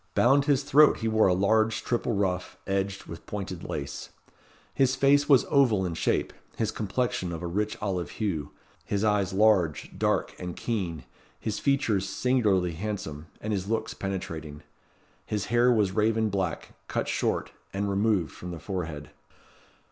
Bound his throat he wore a large, triple ruff, edged with pointed lace. His face was oval in shape, his complexion of a rich olive hue, his eyes large, dark, and keen, his features singularly handsome, and his looks penetrating. His hair was raven black, cut short, and removed from the forehead.